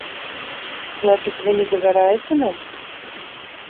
Значыць, вы не давяраеце нам?